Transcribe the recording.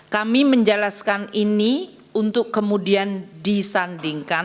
kami menjelaskan ini untuk kemudian disandingkan